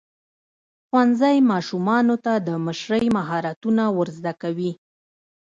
ښوونځی ماشومانو ته د مشرۍ مهارتونه ورزده کوي.